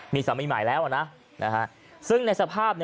มีสามีใหม่แล้วนะซึ่งในสภาพ